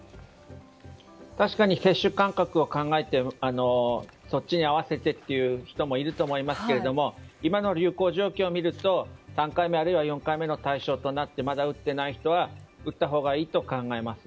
確かに接種間隔を考えてそっちに合わせてという人もいるかと思いますが今の流行状況を見ると３回目、あるいは４回目の対象となってまだ打っていない人は打ったほうがいいと考えます。